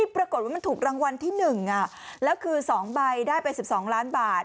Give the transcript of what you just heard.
ปรากฏว่ามันถูกรางวัลที่๑แล้วคือ๒ใบได้ไป๑๒ล้านบาท